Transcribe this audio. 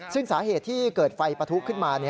ซึ่งสาเหตุที่เกิดไฟปะทุขึ้นมา